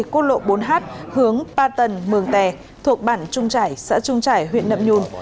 cốt lộ bốn h hướng ba tầng mường tè thuộc bản trung trải xã trung trải huyện nậm nhùn